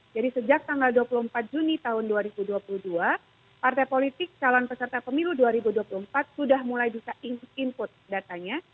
jadi sejak tanggal dua puluh empat enam dua ribu dua puluh dua partai politik calon peserta pemilu dua ribu dua puluh empat sudah mulai bisa input datanya